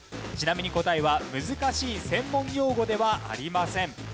ちなみに答えは難しい専門用語ではありません。